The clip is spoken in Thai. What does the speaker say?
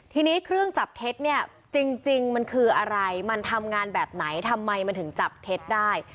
ทีนี้เครื่องจับเท็จเนี่ยจริงมันคืออะไรมันทำงานแบบไหนทำไมมันถึงจับเท็จได้